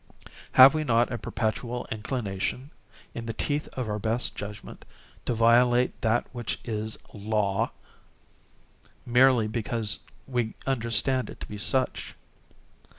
Have we not a perpetual inclination, in the teeth of our best judgment, to violate that which is Law, merely because we understand it to be such?